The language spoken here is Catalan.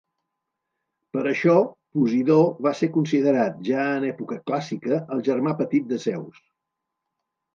Per això Posidó va ser considerat, ja en època clàssica, el germà petit de Zeus.